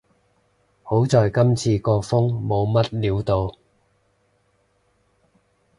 好在今次個風冇乜料到